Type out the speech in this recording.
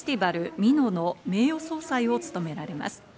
美濃の名誉総裁を務められます。